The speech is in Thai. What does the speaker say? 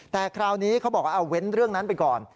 แต่คราวนี้เขาบอกว่าเอาเว้นเรื่องนั้นไปก่อน